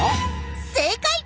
正解！